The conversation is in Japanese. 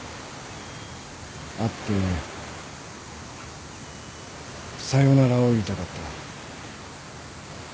会ってさよならを言いたかった。